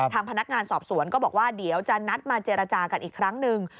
ทางพนักงานสอบสวนก็บอกว่าเดี๋ยวจะนัดมาเจรจากันอีกครั้งหนึ่ง